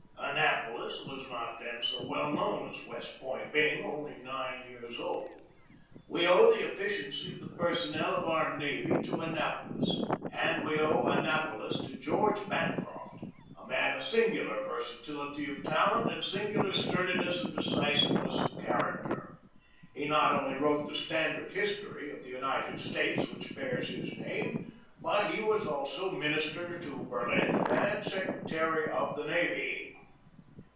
Annapolis was not then so well known as West Point, being only nine years old. We owe the efficiency of the personnel of our navy to Annapolis ; and we owe Annapolis to George Bancroft, a man of singular versatility of talent and singular sturdiness and decisiveness of character. He not only wrote the standard history of the United States which bears his name, but he was also min ister to Berlin and secretary of the navy.